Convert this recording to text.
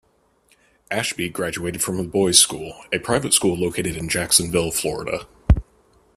Ashby graduated from The Bolles School, a private school located in Jacksonville, Florida.